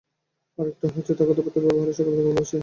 আর একটা হচ্ছে, তার কথাবার্তায় ব্যবহারে সকলেই তাকে ভালোবাসে।